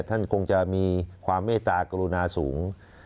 ท่านคงจะมีความเมตตากรุณาสูง